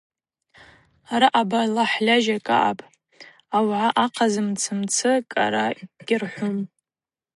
Араъа балахӏ льажьакӏ аъапӏ, ауагӏа ахъаз мцы-мцы кӏара гьырхӏвум.